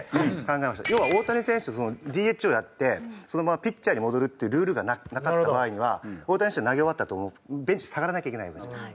要は大谷選手ＤＨをやってそのままピッチャーに戻るっていうルールがなかった場合には大谷選手は投げ終わったあとベンチに下がらなきゃいけないわけじゃないですか。